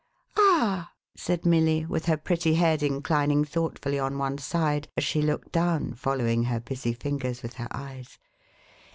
" Ah !" said Milly, with her pretty head inclining thought fully on one side, as she looked down, following her busy fingers with her eyes.